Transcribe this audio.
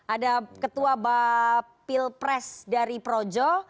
ada ketua bapil pres dari projo